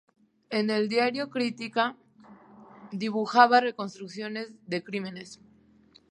En el diario Crítica dibujaba reconstrucciones de crímenes.